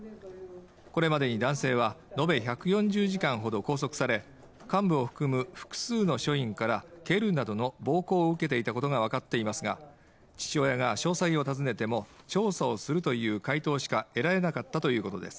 これまでに男性は、延べ１４０時間ほど拘束され幹部を含む複数の署員から蹴るなどの暴行を受けていたことが分かっていますが父親が詳細を尋ねても、調査をするという回答しかえられなかったということです。